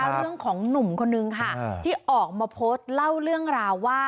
เรื่องของหนุ่มคนนึงค่ะที่ออกมาโพสต์เล่าเรื่องราวว่า